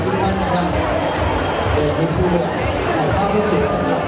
ทุกคนดังเดินไปทั่วขายภาพให้สวยจากหลัก